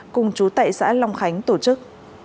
cùng chú tại xã long khánh tổ chức